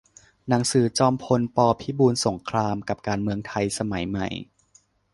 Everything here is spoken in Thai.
หนังสือ จอมพล ป. พิบูลสงคราม กับการเมืองไทยสมัยใหม่